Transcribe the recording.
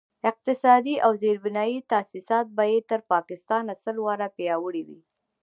اقتصادي او زیربنایي تاسیسات به یې تر پاکستان سل واره پیاوړي وي.